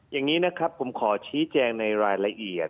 อย่างนี้นะครับผมขอชี้แจงในรายละเอียด